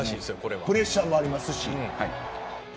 プレッシャーもありますし。